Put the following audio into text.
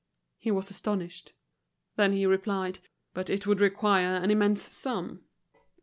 He was astonished. Then he replied: "But it would require an immense sum.